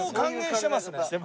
してますね。